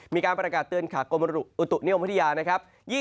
มีการประกาศเตือนขากรมอุตุนิยมพัทยานะครับ